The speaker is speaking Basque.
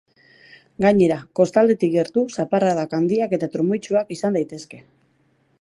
Gainera, kostaldetik gertu zaparradak handiak eta trumoitsuak izan daitezke.